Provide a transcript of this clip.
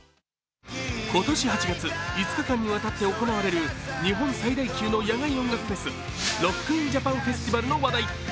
今年８月、５日間にわたって行われる日本最大級の野外音楽フェス、ＲＯＣＫＩＮＪＡＰＡＮＦＥＳＴＩＶＡＬの話題。